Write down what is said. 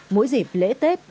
mỗi dịp lễ tết